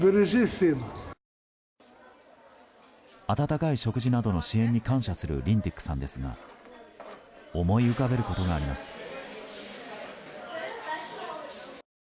温かい食事などの支援に感謝するリンディックさんですが思い浮かべることがあります。